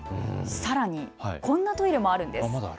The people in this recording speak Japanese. さらにこんなトイレもあるんです。